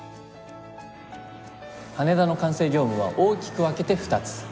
羽田の管制業務は大きく分けて２つ。